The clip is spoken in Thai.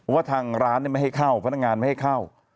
ว่าทางร้านไม่ให้เข้าพนักงานไม่ให้เข้า